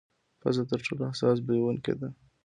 پزه تر ټولو حساس بویونکې ده.